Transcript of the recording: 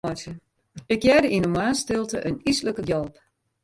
Ik hearde yn 'e moarnsstilte in yslike gjalp.